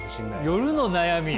夜の悩み！？